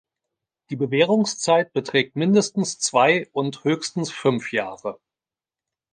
Die Bewährungszeit beträgt mindestens zwei und höchstens fünf Jahre.